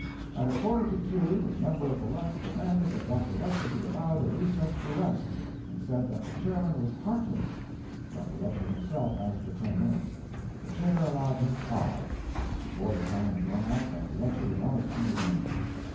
At a quarter to two a member of the Left demanded that Dr. Lecher be allowed a recess for rest, and said that the Chairman was 'heartless.' Dr. Lecher himself asked for ten minutes. The Chair allowed him five. Before the time had run out Dr. Lecher was on his feet again.